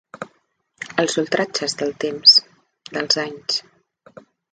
Els ultratges del temps, dels anys.